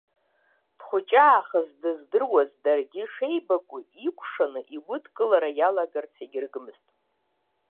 Дхәыҷаахыс дыздыруаз даргьы шеибакәу икәшан игәыдкылара иалагарц егьрыгмызт.